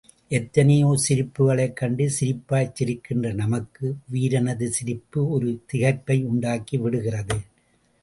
எத்தனையோ சிரிப்புகளைக்கண்டு சிரிப்பாய்ச் சிரிக்கின்ற நமக்கு, இவ் வீரனது சிரிப்பு ஒரு திகைப்பை உண்டாக்கி விடுகிறது.